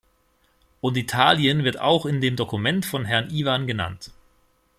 Und Italien wird auch in dem Dokument von Herrn Ivan genannt.